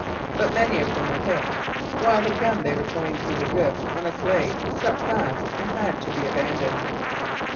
But many of them were hit; while the gun they were towing through the drifts on a sleigh stuck fast and had to be abandoned.